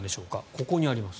ここにあります。